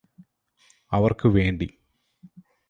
അവര്ക്കുവേണ്ടി